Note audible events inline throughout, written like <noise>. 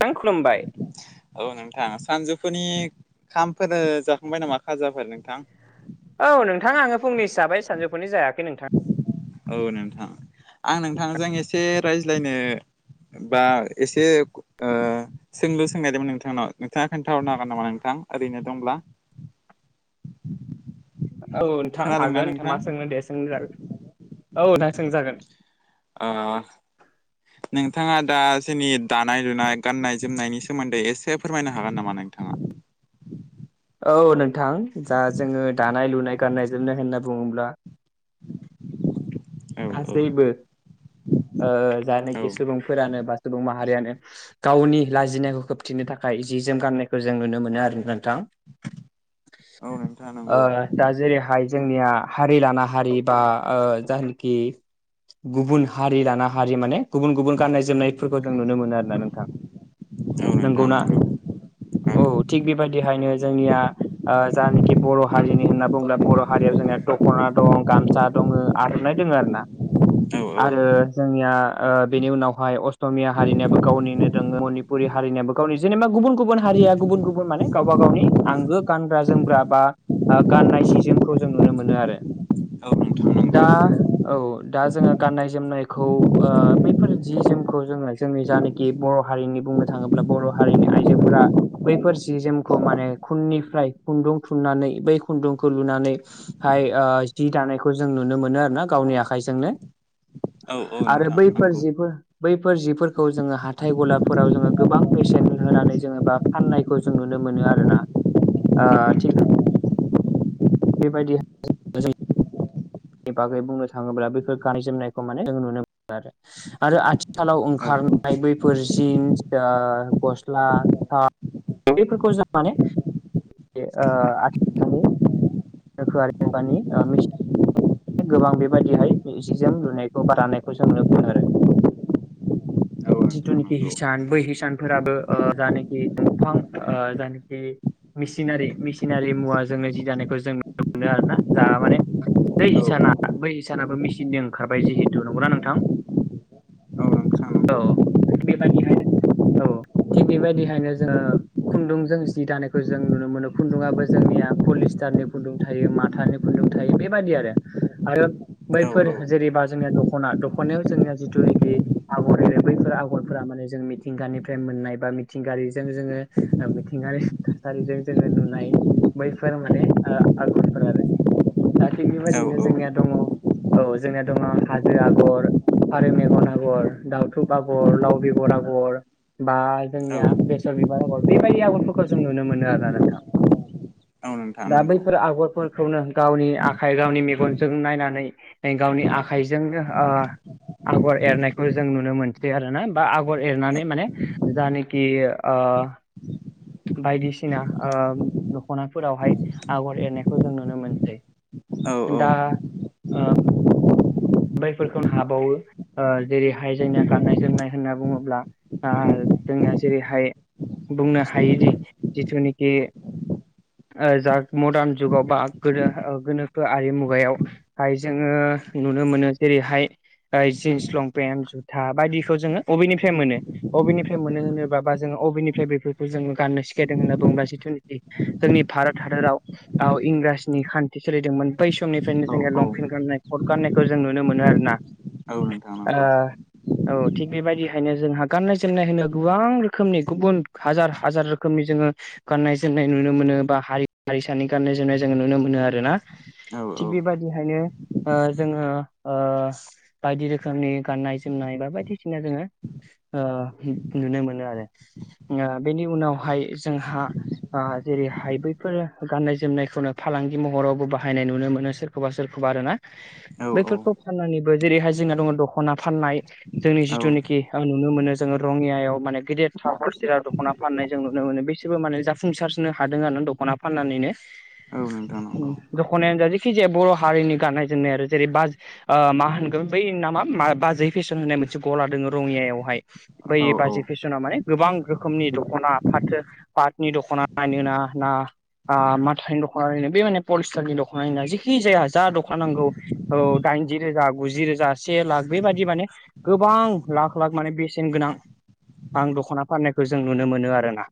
थां खुलुमबाय औ नोंथां सानजौफुनि खामफोर जाखांबाय नामा खाजाफोर नोंथां औ नोंथां आङो फुंनि जाबाय सानजौफुनि जायाखै नोंथां औ नोंथां आं नोंथांजों एसे रायज्लायनो बा एसे ओ सोंलु सोंनायदोंमोन नोंथांनाव नोंथाङा खोन्थाहरनो हागोन नामा नोंथां ओरैनो दंब्ला औ नोंथां हागोन नोंथां मा सोंगोन दे सों जागोन औ नोंथां सोंजागोन ओ नोंथाङा दा जोंनि दानाय लुनाय गाननाय जोमनायनि सोमोन्दै एसे फोरमायनो हागोन नामा नोंथाङा औ नोंथां दा जोङो दानाय लुनाय गाननाय जोमनाय होनना बुङोब्ला औ औ गासैबो ओ जानाखि औ सुबुंफोरानो बा सुबुं माहारियानो गावनि लाजिनायखौ खोबथिनो थाखाय जि जोम गाननायखौ जों नुनो मोनो आरो ना नोंथां औ नोंथां ओ नंगौ दा जेरैहाय जोंनिया हारि लाना हारि बा ओ कि गुबुन हारि लाना हारि माने गुबुन गुबुन गाननाय जोमनायफोरखौ जों नुनो मोनो आरो ना नोंथां औ नोंथां नंगौना नंगौ औ थिग बेबायदिहायनो जोंनिया ओ जानोकि बर' हारिनि होनना बुङोब्ला बर' हारियाव जोंनिया दख'ना दं गामसा दङ आर'नाय दोङो आरो ना औ आरो जोंनिया ओ बेनि उनावहाय असमिया हारिनियाबो गावनिनो रोङो मनिपुरि हारिनिबो गावनि जेनेबा गुबुन गुबुन हारिया गुबुन गुबुन माने गावबा गावनि आंगो गानग्रा जोमग्रा बा ओ गाननाय सिजोमखौ जों नुनो मोनो आरो औ नोंथां नंगौ दा औ दा जोङो गाननाय जोमनायखौ ओ बैफोर जि जोमखौ जोङो जोंनि जानि कि बर' हारिनि बुंनो थाङोब्ला बर' हारिनि आइजोफोरा बैफोर जि जोमखौ माने खुननिफ्राय खुन्दुं थुननानै बै खुन्दुंखौ लुनानै हाय ओ जि ओ दानायखौ जों नुनो मोनो आरो ना गावनि आखायजोंनो औ औ आरो नोंथां बैफोर नंगौ औ जिफोर बैफोर जिफोरखौ जोङो हाथाय गलाफोराव जोङो गोबां पेसेनट होनानै जोङो बा फाननायखौ जों नुनो मोनो आरोना ओ थिग बे नोंथां बेबायदि जों <unintelligible> बागै बुंनो थाङोब्ला बेफोर गाननाय जोमनायखौ माने जों नुनो मोनो आरो। आरो आथिखालाव औ ओंखारनाय बैफोर जिन्स ओ गस्ला <unintelligible> बेफोरखौ जों माने ओ आथिखालनि गोनोखोआरि मुगानि मिचि गोबां बेबायदिहाय जि जोम लुनायखौ बा रानायखौ जों नुनो मोनो आरो। <inaudible> जिथुनोखि नंगौ हिसान बै हिसानफोराबो ओ जानोखि दंफां ओ जानोखि मिसिनारि मिसिनारि मुवा जोङो जि दानायखौ जों नुनो मोनो आरोना जा माने बै औ औ हिसाना बै हिसानाबो मिचिंनि ओंखारबाय जिहेतु नंगौना नोंथां? <inaudible> नोंथां औ नंगौ थिग बेबायदिहायनो औ थिग बेबायदिहायनो जोङो खुन्दुंजों जि दानायखौ जों नुनो मोनो खुन्दुङाबो जोंनिया पलिस्टारनि खुन्दुं थायो माथानि खुन्दुं थायो बेबायदि आरो। आरो औ बैफोर जेरैबा जोंनिया दख'ना दख'नायाव जोंनिया जिथुनोखि आगर एरो बैफोर आगरफोरा माने जों मिथिंगानिफ्राय मोननाय बा मिथिंगानिजों जोङो मिथिंगारि थासारिजों जोङो नुनाय बैफोर माने ओ आगरफोर आरो दा थिग बेबायदिनो जोंनिया दङ औ जोंनिया दङ हाजो आगर फारौ मेगन आगर, दाउथुब आगर, लाव बेगर आगर बा औ जोंनिया बेसर बिबार आगर बेबायदि आगरफोरखौ जों नुनो मोनो आरोना नोंथां। <inaudible> नोंथां दा नंगौ बैफोर आगरफोरखौनो गावनि आखाइ गावनि मेगनजों नायनानै गावनि आखाइजोंनो ओ आगर एरनायखौ जों नुनो मोनसै आरो ना बा आगर एरनानै माने जानिखि आ बायदिसिना ओ दख'नाफोरावहाय आगर एरनायखौ जों नुनो मोनसै औ दा ओ बैफोरखौनो हाबावो ओ जेरैहाय जायनिया गाननाय जोमनाय होनना बुङोब्ला ओ जोंनिया जेरैहाय बुंनो हायोदि जिथुनिखि ओ जा मदार्न जुगाव बा गोनोखोआरि मुगायाव हाय जोङो नुनो मोनो जेरैहाय जिन्स लंपेन्ट जुथा बायदिखौ जोङो अबेनिफ्राय मोनो अबेनिफ्राय मोनो होनोबा बा जोङो अबेनिफ्राय बेफोरखौ जोङो गाननो सिखायदों होनना बुङोबा जिथुनिखि जोंनि भारत हादराव इंराजनि खान्थि सोलिदोंमोन बै समनि फ्रायनो औ लंपेन्ट गाननाय कट गाननायखौ जों नुनो मोनो आरो ना। औ नोंथां नंगौ। औ थिग बेबायदिहायनो जोंहा गाननाय जोमनाय होनो गोबां रोखोमनि गुबुन हाजार हाजार रो खोमनि जोङो गाननाय जोमनाय नुनो मोनो बा हाइ-हारिसानि गाननाय जोमनाय जोङो नुनो मोनो आरो ना। औ औ बेबायदिहायनो ओ जोङो ओ बायदि रोखोमनि गाननाय जोमनाय बा बायदिसिना जोङो ओ नुनो मोनो आरो ओ बेनि उनावहाय जोंहा आ जेरैहाय बैफोर गान्नाय जोमनायखौनो फालांगि महरावबो बाहायनाय नुनो मोनो सोर खौबा सोरखौबा आरो ना औ बैफोरखौ फाननानैबो जेरैहाय जोंना दङ दख'ना फाननाय जोंनि जिथुनाखि आं नुनो मोनो जोङो रङियाव माने गेदेरथार हल सेलार दख'ना फाननाय जों नुनो मोनो बिसोरबो माने जा फुंसार जानो हादों आरो दख'ना फाननानैनो। <inaudible> नंगौ दख'नायानो जायखि जाया बर' हारिनि गाननाय जोमनाय आरो जेरै बाज मा होनगोन बै नामा बाजै फेसन होननाय मोनसे गला दोङो रंङियायावहाय औ बै बाजै फेसन माने गोबां रोखोमनि दख'ना फाथो पातनि दख'ना नायनो ना ना माथानि दख'ना नायनो बे माने पलिस्टारनि दख'ना ना जेखि जाया जा दखान नांगौ औ दाइनजि रोजा गुजि रोजा से लाख बेबायादि माने गोबां लाख लाख माने बेसेन गोनां आं दख'ना फाननायखौ जों नुनो मोनो आरोना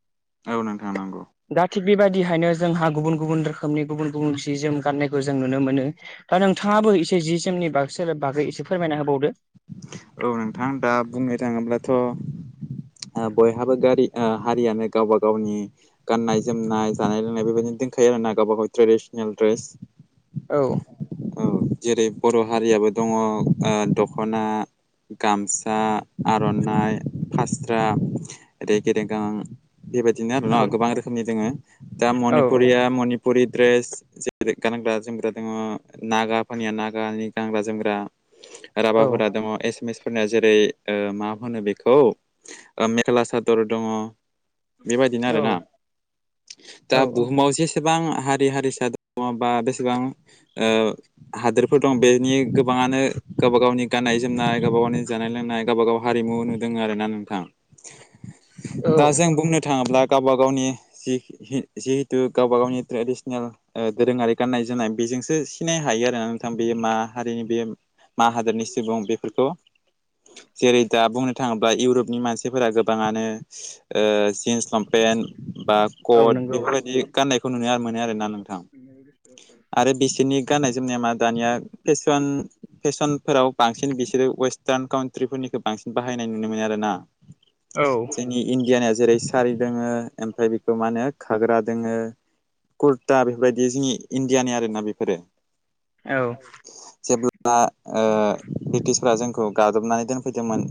औ नोंथां नंगौ दा थिग बेबायदिहायनो जोंहा गुबुन गुबुन रोखोमनि गुबुन गुबुन जि जोम गाननायखौ जों नुनो मोनो दा नोंथांङाबो एसे जि जोमनि बागै बागै एसे फोरमायना होबावदो औ नोंथां दा बुंनो थाङोब्लाथ' बयहाबो गारि <unintelligible> हारियानो गावबा गावनि गाननाय जोमनाय जानाय लोंनाय बेबायदिनो दंखायो आरो ना गावबा गाव ट्रेडिसनेल ड्रेस औ औ जेरै बर' हारियाबो दंङो दख'ना गामसा आर'नाइ फास्रा रेगेरेगां बेबायदिनो आरो ना औ गोबां रोखोमनि जोङो दा औ मणिपुरिया। पुरि ड्रेस जेरै गानग्रा जोमग्रा दङ नागाफोरनिया नागानि गानग्रा जोमग्रा औ राभाफोरहा दङ एसामिस फोरनिया जेरै मा होनो बेखौ ओ मेख्ला सादर दङ बेबायदिनो आरोना दा औ बुहुमाव जे बेसेबां हारि हारिसा दङ बा बेसेबां ओ हादोरफोर दं बेनि गोबाङानो गावबा गावनि गाननाय जोमनाय गावबा गावनि जानाय लोंनाय गावबा गाव हारिमु नुदों आरोना नोंथां औ दा जों बुंनो थाङोब्ला गावबा गावनि जिहेतु गावबा गावनि ट्रेडिसनेल दोरोङारि गाननाय जोमनाय बेजोंसो सिनाय हायो आरोना नोंथां बे मा हारिनि बे मा हादोरनि सुबुं बेफोरखौ जेरै दा बुंनो थाङोब्ला इउरपनि मानसिफोरा गोबाङानो ओ जिन्स लंपेन्ट बा औ कट नंगौ। बेफोरबायदि गाननायखौ नुनो मोनो आरोना नोंथां आरो बिसोरनि गाननाय जोमनाय मा दानिया फेसन फेसनफोराव बांसिन बिसोरो वेस्टार्न काउट्रिफोरनिखौ बांसिन बाहायनाय नुनो मोनो आरोना औ जोंनि इण्डियानिया जेरै सारि दोङो ओमफ्राय बेखौ मा होनो घाग्रा दोङो कुरता बेफोरबायदि जोंनि इण्डियानि आरोना बेफोरो औ जेब्ला जोंखौ ब्रिटिशफोरा जोंखौ गादबनानै दोनफैदोंमोन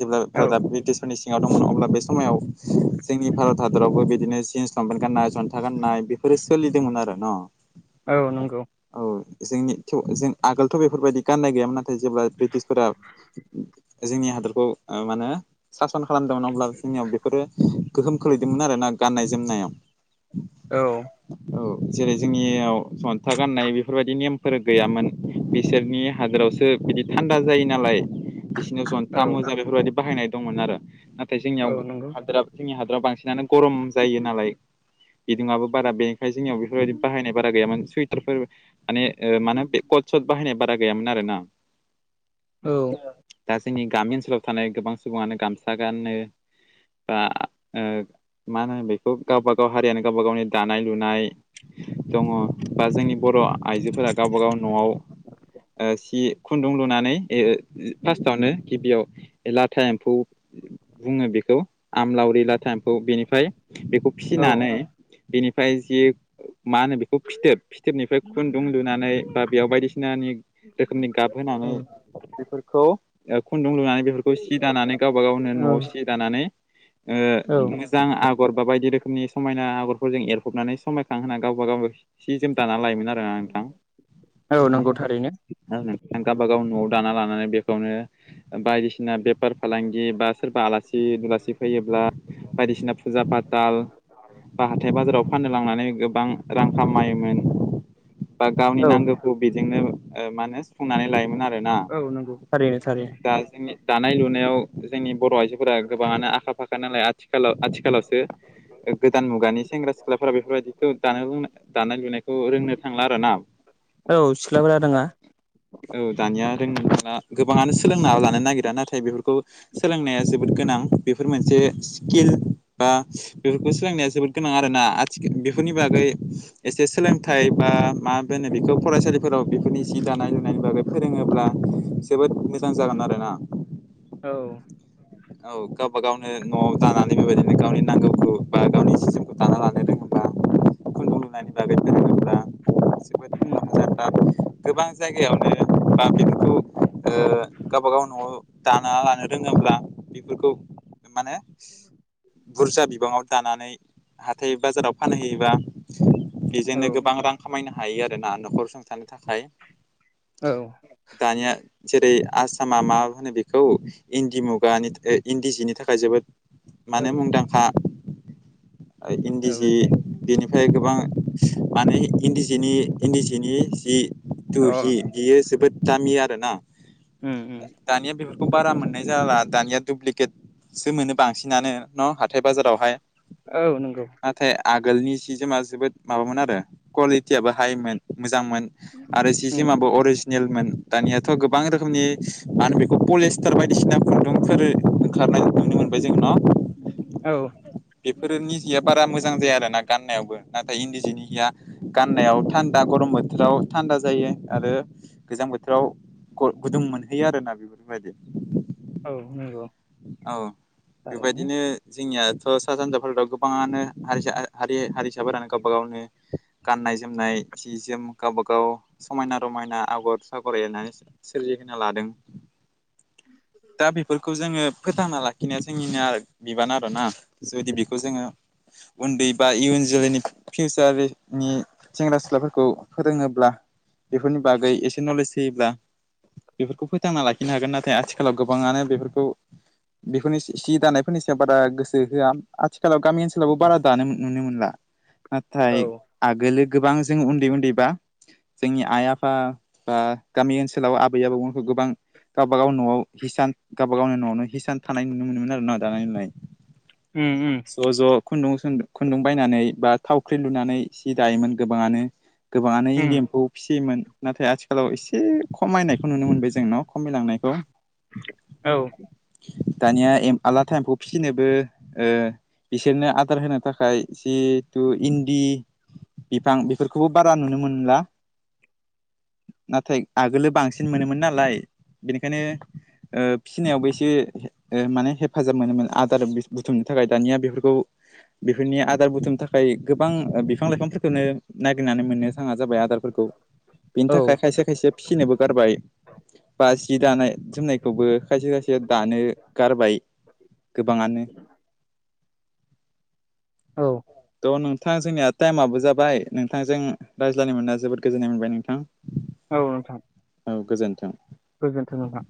जेब्ला औ भारतआ ब्रिटिशफोरनि सिङाव दंमोन अब्ला बे समाव जोंनि भारत हादरावबो बिदिनो जिन्स लमपेन गाननाय जन्था गाननाय बेफोरो सोलिदोंमोन आरो न' औ नंगौ औ जोंनिे जों आगोलथ' बेफोरबायदि गाननाय गैयामोन नाथाय जेब्ला ब्रिटिसफोरा जोंनि हादरखौ मा होनो सासन खालामदोंमोन अब्ला जोंनियाव बेफोरो गोहोम खोलैदोंमोन आरो ना गाननाय जोमनायाव औ औ जेरै जोंनियाव गस्ला गाननाय बेफोरबायदि नेमफोर गैयामोन बिसोरनि हादोरावसो बिदि थान्दा जायो नालाय बिसिनो औ जनथा मोजा बेफोरबायदि बाहायनाय दंमोन आरो नाथाय औ जोंनियाव नंगौ हादोरा जोंनि हादराव बांसिनानो गरम जायो नालाय बिदुङाबो बारा बे ओमफ्राय जोंनियाव बेफोरबायदि बाहायनाय बारा गैयामोन सुइटारफोर माने मा होनो बे कथ सट बाहायनाय बारा गैया गैयामोन आरोना औ दा जोंनि गामि ओनसोलाव थानाय गोबां सुबुङानो गामसा गानो। बा ओ मा होनो बे खौगावबा गाव हारियानो गावबा गावनि दानाय लुनाय दङ बा जोंनि बर'ओ आइजोफोरा गावबा गाव न'आव सि खुनदुं लुनानै फार्स्टावनो गिबियाव लाथा एमफौ बुङो बेखौ आमलावरि लाथा एमफौ बेनिफ्राय बेखौ। औ फिसिनानै बिनिफ्राय इ जि मा होनो बेखौ फिथोब फिथोबनिफ्राय खुनदुं लुनानै बा बेयाव बायदिसिनानि रोखोमनि गाबहोनानै। बेफोरखौ खुनदुं लुनानै बेफोरखौ सि दानानै गावब गावनो न'आव सि दानानै ओ आ ओ औ बिदिनो मोजां आगर बा बायदि रोखोमनि समायना आगरफोरजों एरफबनानै समायखांहा गावबा गाव दाना‌ लायोमोन आरोना नोंथां। औ नंगौ थारैनो नोंथां गावबाागाव न'आव दाना लानानै बेखौनो बायदिसिना बेफार फालांगि बा सोरबा आलासि दुलासि फैयोब्ला बायदिसिना फुजा फाथाल बा हाथाय बाजाराव फाननो लांनानै गोबां आ खामायोमोन बा गावनि औ नांगौखौ बेजोंनो माने सुफुंनानै लायोमोन आरोना ओ औ नंगौ थारैनो ओ थारैनो ओ दा जोंनिया दानाय लुनायाव जोंनि बर' आइजोफोरा गोबाङानो आखा फाखा नालाय आं आथिखालाव आथिखालावसो गोदान मुगानि सेंग्रा सिख्लाफोरा बेफोरबायदिखौ दानो लोंनाय दानाय लुनायखौ रोंनो थांला आरो ना औ सिख्लाफोरा रोङाबा औ दानिया रोंला गोबाङानो सोलोंना लानो नागिरा नाथाय बे ओ खौ सोलोंनाया जोबोद गोनां बेफोर मोनसे स्किल बा ओ बेफोरखौ सोलोंनाया जोबोद गोनां आरो ना आथिखाल बेफोरनि बागैबो एसे सोलोंथाइ बा मा होनो बेखौ फरायसालिफोराव बेफोरनि जि दानाय लुनायनि बागै फोरोङोब्ला जोबोद मोजां जागोन आरोना औ औ गावबा गावनो न'आव दानानै बेबायदिनो गावनि नांगौखौ बा गावनि जि जोमखौ दानानै ओ होननि बागै होनोब्ला जोबोद मुलाम्फानि ओ गोबां जायगायावनो बा बेफोरखौ गावबा गाव न'वाव दाना लानो रोङोब्ला बेफोरखौ माने बुरजा बिबाङाव दानानै हाथाय बाजाराव फानहैयोबा। औ बेजोंनो गोबां रां खामायनो हायो आरोना न'खर संसारनि थाखाय अ दानिया जेरै आसामा मा होनो बेखौ इन्दि मुगानि इन्दि जिनि थाखाय जोबोद। मानो मुंदांखा औ इन्दि जि ओमफ्राय गोबां माने इन्दि जिनि इन्दि सिनि जिथु औ हिनि बियो जोबोद दामि आरो ना ओम ओम ओ दानिया बेफोरखौ बारा मोननाय जाला दानिया दुुब्लिकेटसो मोनो बांसिनानो न' हाथाय बाजारावहाय औ नंगौ नाथाय आगोलनि जि जोमा जोबोद माबामोन आरो खुवालितियाबो हायमोन मोजांमोन आरो जिनि उम तिमाबो अरिजिनेलमोन दानियाथ' गोबां रोखोमनि मा होन बेखौ पलिसा फोर बायदिसिना खुन्दुंफोर ओंखारनाय नुनो मोनबाय जों नाओ औ। बेफोरनिबो जिया बारा मोजां जाया आरो ना गाननायावबो नाथाय इन्दि जिनि हिया गाननायाव थान्दा गरम बोथोराव थान्दा जायो आरो गोजां बोथोराव ओ गुदुं मोनहैयो आरोना बेफोरबादि औ नंगौ औ थारैनो बेबायदिनो जोंनिया सा सानजा भारताव गोबाङानो हारि हा हारिसाफोरानो गावबा गावनो गाननाय जोमनाय जि जोम गावबागाव समायना रमायना आगर सागर एरनानै सोरजिहोना लादों। दा बेफोरखौ जोङो फोथांना लाखिनाया जोंनिनो बिबान आरो ना जुदि बेखौ जोङो उन्दै बा इयुन जोलैनि फिउचारनि सेंग्रा सिख्लाफोरखौ फोरोङोब्ला बेफोरनि बागै एसे नलेज होयोब्ला बेफोरखौ फोथांना लाखिनो हागोन नाथाय आथिखालाव गोबाङानो बेफोरखौ बेफोरनि सि दानायफोरनि सायाव बारा गोसो होया आथिखालाव गामि ओनसोलावबो बारा दानो नुनो मोनला। औ नाथाय आगोलो गोबां जों उन्दै उन्दैबा जोंनि आइ आफा बा गामि ओनसोलाव आबै आबौमोनखौ गोबां गावबा गाव न'आव हिसान गावबा गावनि न'आवनो हिसान थानाय नुनो मोनोमोन आरो ना दानाय लुनाय। उम उम ज' ज' खुन्दुं खुन्दुं बायनानै बा थावख्रि लुनानै सि दायोमोन गोबाङानो गोबाङानो इन्दि उम एम्फौ फिसियोमोन नाथाय आथिखालाव एसे खमायनायखौ नुनो मोनबाय जों न खमायलांनाय औ दानिया ए लाथा एमफौ फिसिनोबो ओ बिसोरनो आदार होनो थाखाय जिथु इन्दि बिफां बेफोरखौबो बारा नुनो मोनला। नाथाय आगोल बांसिन मोनोमोन नालाय बेनिखायनो ओ फिसिनायावबो एसे माने हेफाजाब मोनोमोन आदार बुथुमनो थाखाय दानिया बेफोरखौ बेफोरनि आदार बुथुमनो थाखाय गोबां बिफां लाइफांफोरखौनो नागिरनानै मोननो थाङा जाबाय आदारफोरखौ बिनि औ थाखाय खायसे खायसे फिसिनोबो गारबाय बा जि दानाय जोमनायखौबो खायसे खायसे दानो गारबाय। गोबाङानो औ थ' नोंथां जोंनिया टाइमाबो जाबाय नोंथांजों रायज्लायनो मोना जोबोद गोजोननाय मोनबाय नोंथां। औ नोंथां औ गोजोन्थों। गोजोन्थों नोंथां